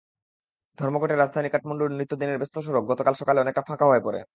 ধর্মঘটে রাজধানী কাঠমান্ডুর নিত্যদিনের ব্যস্ত সড়ক গতকাল সকালে অনেকটা ফাঁকা হয়ে পড়ে।